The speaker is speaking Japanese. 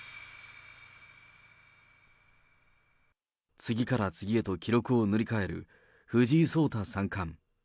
次から次へと記録を塗り替える藤井聡太三冠。